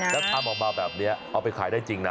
แล้วทำออกมาแบบนี้เอาไปขายได้จริงนะ